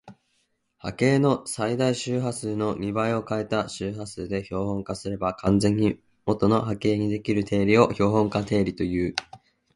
五割は資源ゴミ、主に紙類